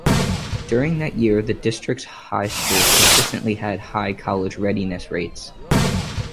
During that year the district's high schools consistently had high college readiness rates.